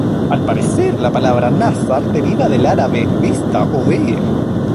Al parecer la palabra "nazar" deriva del árabe نظر, "vista" o "ver".